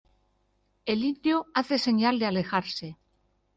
el indio hace señal de alejarse: